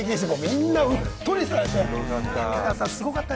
みんなうっとりされちゃって。